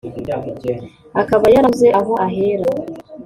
akaba yarabuze aho ahera